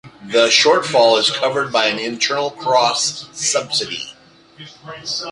The shortfall is covered by an internal cross subsidy.